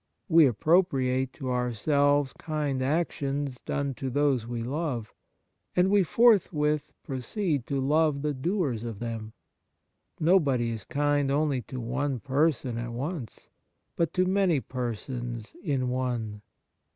We appropriate to ourselves kind actions done to those we love, and we forthwith proceed to love the doers of them. Nobody is kind only to one person at once, but to many persons in one.